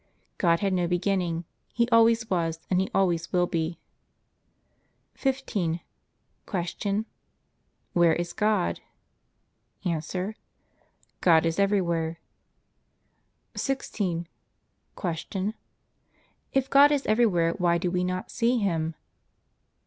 God had no beginning; He always was and He always will be. 15. Q. Where is God? A. God is everywhere. 16. Q. If God is everywhere, why do we not see Him?